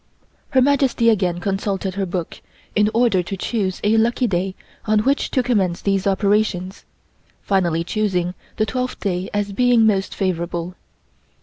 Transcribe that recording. Her Majesty again consulted her book in order to choose a lucky day on which to commence these operations, finally choosing the twelfth day as being most favorable.